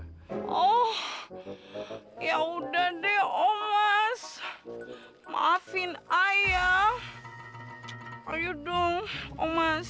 oh ya udah deh oles maafin ayah ayo dong emas